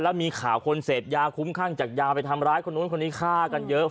แล้วมีข่าวคนเสพยาคุ้มข้างจากยาไปทำร้ายคนนู้นคนนี้ฆ่ากันเยอะ